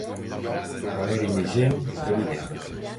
Haver-hi més gent que a Vinebre.